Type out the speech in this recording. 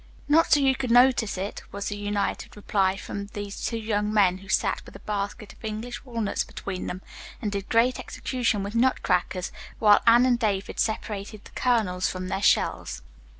"Not so you could notice it," was the united reply from these two young men who sat with a basket of English walnuts between them and did great execution with nut crackers, while Anne and David separated the kernels from their shells.